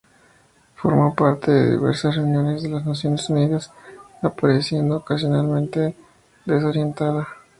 Formó parte de diversas reuniones de las Naciones Unidas, apareciendo ocasionalmente desorientada.